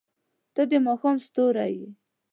• ته د ماښام ستوری یې.